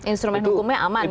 instrumen hukumnya aman